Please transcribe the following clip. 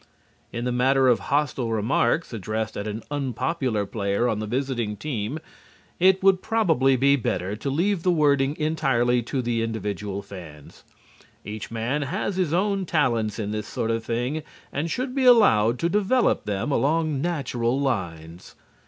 In the matter of hostile remarks addressed at an unpopular player on the visiting team, it would probably be better to leave the wording entirely to the individual fans. Each man has his own talents in this sort of thing and should be allowed to develop them along natural lines.